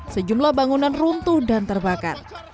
sejumlah bangunan runtuh dan terbakar